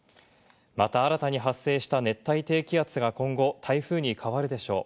また、新たに発生した熱帯低気圧が今後、台風に変わるでしょう。